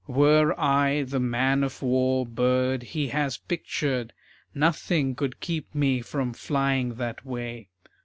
Were I the man of war bird he has pictured Nothing could keep me from flying that way.